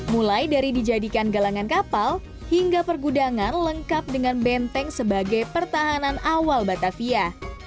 mulai dari dijadikan galangan kapal hingga pergudangan lengkap dengan benteng sebagai pertahanan awal batavia